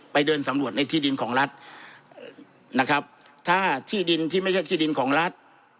เดินสำรวจในที่ดินของรัฐนะครับถ้าที่ดินที่ไม่ใช่ที่ดินของรัฐ